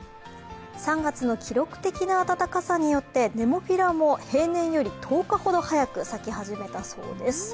３月の記録的な暖かさによってネモフィラも平年より１０日ほど早く咲き始めたそうです。